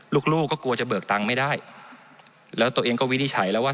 ลูกลูกก็กลัวจะเบิกตังค์ไม่ได้แล้วตัวเองก็วินิจฉัยแล้วว่า